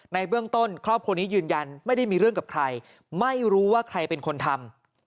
ในเบื้องต้นครอบครัวนี้ยืนยันไม่ได้มีเรื่องกับใครไม่รู้ว่าใครเป็นคนทำ